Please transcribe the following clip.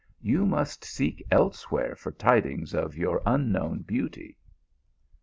You must seek elsewhere for tidings of your unknown beauty."